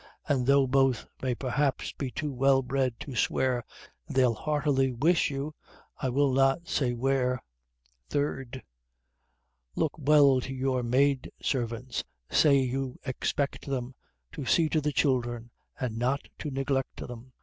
And though both may perhaps be too well bred to swear, They'll heartily wish you I will not say Where. 3_tio._ Look well to your Maid servants! say you expect them To see to the children, and not to neglect them!